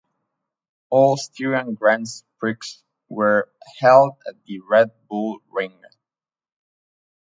All Styrian Grands Prix were held at the Red Bull Ring.